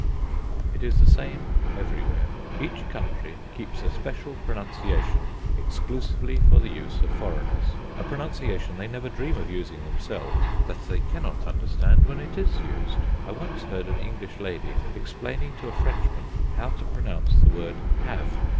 It is the same everywhere. Each country keeps a special pronunciation exclusively for the use of foreigners a pronunciation they never dream of using themselves, that they cannot understand when it is used. I once heard an English lady explaining to a Frenchman how to pronounce the word Have.